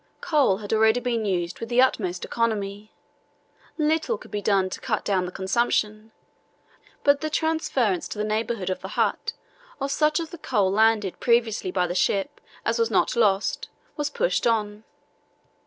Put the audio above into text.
Coal had already been used with the utmost economy. Little could be done to cut down the consumption, but the transference to the neighbourhood of the hut of such of the coal landed previously by the ship as was not lost was pushed on.